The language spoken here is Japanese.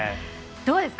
どうですか？